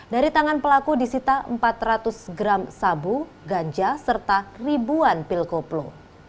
dari tangan pelaku disita empat ratus gram sabu ganja serta ribuan pil koplo